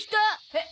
えっ？